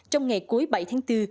trong ngày cuối bảy tháng bốn